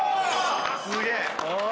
すげえ！